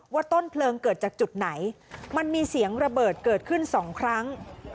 ต้นเพลิงเกิดจากจุดไหนมันมีเสียงระเบิดเกิดขึ้นสองครั้ง